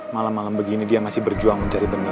malam malam begini dia masih berjuang mencari benda